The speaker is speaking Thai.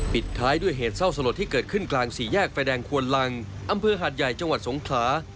ปิดท้ายด้วยเหตุเศร้าสลดที่เกิดขึ้นกลางสี่แยกไฟแดงควนลังอำเภอหาดใหญ่จังหวัดสงขลา